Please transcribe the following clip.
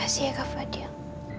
makasih ya kak fadil